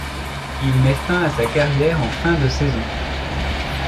Il met fin à sa carrière en fin de saison.